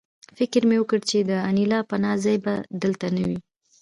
فکر مې وکړ چې د انیلا پناه ځای به دلته نه وي